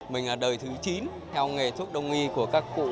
mình là đời thứ chín theo nghề thuốc đông y của các cụ